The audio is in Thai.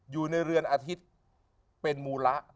อยู่ในเรือนอาทิตย์เป็นมูระ